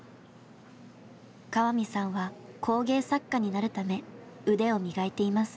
川見さんは工芸作家になるため腕を磨いています。